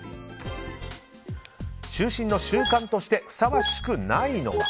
就寝の習慣としてふさわしくないのは。